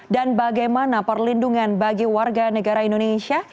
dan bagaimana perlindungan bagi warga negara indonesia